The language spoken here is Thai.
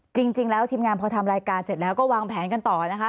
จริงแล้วทีมงานพอทำรายการเสร็จแล้วก็วางแผนกันต่อนะคะ